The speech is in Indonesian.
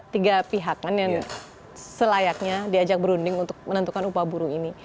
tiga pihak kan yang selayaknya diajak berunding untuk menentukan upah buruh ini